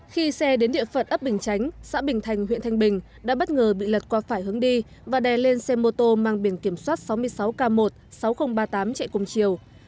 khi xe đến địa phận ấp bình chánh xã bình thành huyện thanh bình đã bất ngờ bị lật qua phải hướng đi và đè lên xe mô tô mang biển kiểm soát sáu mươi sáu k một mươi sáu nghìn ba mươi tám chạy cùng chiều